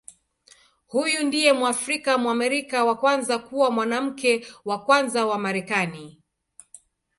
Huyu ndiye Mwafrika-Mwamerika wa kwanza kuwa Mwanamke wa Kwanza wa Marekani.